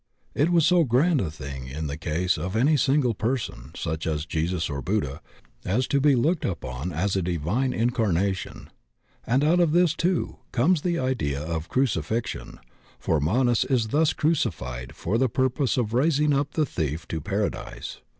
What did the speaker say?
It was so grand a thing in the case of any single per son, such as Jesus or Buddha, as to be looked upon as a divine incarnation. And out of this, too, comes the idea of the crucifixion, for Manas is thus crucified for the purpose of raising up the thief to paradise.